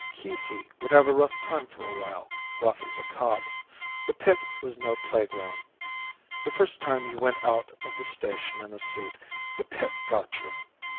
Keesey would have a rough time for a while rough as a cob. The pit was no playground. The first time you went out of the station in a suit, the pit got you.